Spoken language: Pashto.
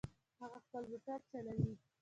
هغه خپل موټر چلوي